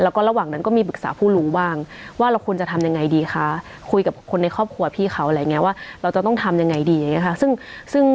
แล้วก็ระหว่างนั้นก็มีปรึกษาผู้รู้บ้างว่าเราควรจะทำยังไงดีคะคุยกับคนในครอบครัวพี่เขาอะไรอย่างนี้ว่าเราจะต้องทำยังไงดีอย่างนี้ค่ะ